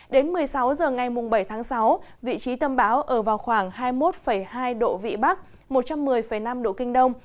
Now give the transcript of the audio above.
đến một mươi sáu h ngày bảy tháng sáu vị trí tâm bão ở vào khoảng hai mươi một hai độ vị bắc một trăm một mươi năm độ kinh đông